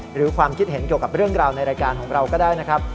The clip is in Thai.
หรือความคิดเห็นเกี่ยวกับเรื่องราวในรายการของเราก็ได้นะครับ